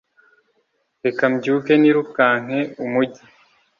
Reka mbyuke, nirukanke umugi,